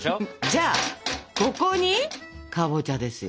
じゃあここにかぼちゃですよ。